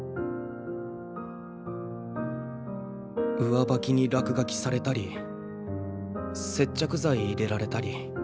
上履きに落書きされたり接着剤入れられたり。